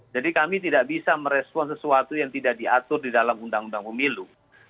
jadi kami tidak bisa merespon sesuatu yang tidak diatur di dalam undang undang pemilu